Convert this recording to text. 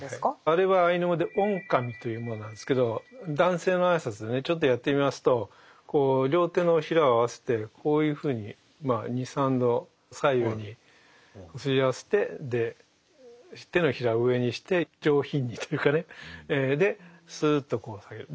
あれはアイヌ語でオンカミというものなんですけど男性の挨拶でねちょっとやってみますとこう両手のひらを合わせてこういうふうにまあ２３度左右にすり合わせてで手のひらを上にして上品にというかねですっとこう下げる。